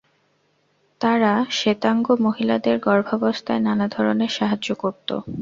তারা শেতাঙ্গ মহিলাদের গর্ভাবস্থায় নানা ধরনের সাহায্য করত।